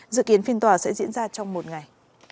dự kiến phiên tòa sẽ diễn ra trong một ngày